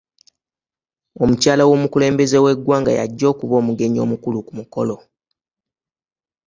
Omukyala w'omukulembeze w'eggwanga y'ajja okuba omugenyi omukulu ku mukolo.